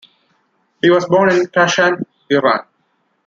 He was born in Kashan, Iran.